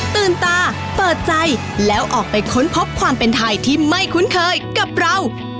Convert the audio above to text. ตื่นตาเปิดใจแล้วออกไปค้นพบความเป็นไทยที่ไม่คุ้นเคยกับเรา